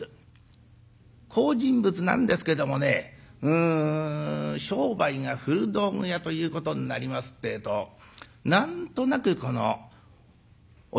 好人物なんですけどもねうん商売が古道具屋ということになりますてえと何となくこの押しが弱いようでございまして。